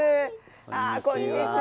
ああこんにちは。